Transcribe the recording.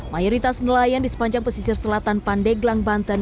mayoritas nelayan di sepanjang pesisir selatan pandeglang banten